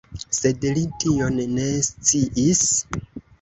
Sed li tion ne sciis.